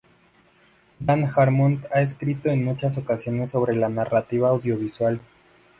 Dan Harmon ha escrito en muchas ocasiones sobre la narrativa audiovisual.